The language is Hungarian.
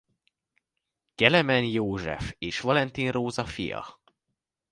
Kelemen József és Valentin Róza fia.